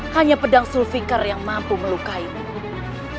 hanya pedang sulfikar yang mampu melukainmu